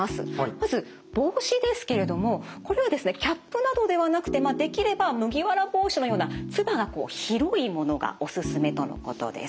まず帽子ですけれどもこれはですねキャップなどではなくてできれば麦わら帽子のようなつばがこう広いものがおすすめとのことです。